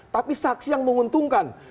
tapi saksi yang menguntungkan